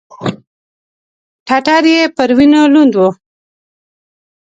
ټټر يې پر وينو لوند و.